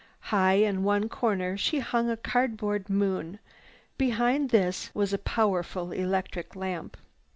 High in one corner she hung a cardboard moon. Behind this was a powerful electric lamp.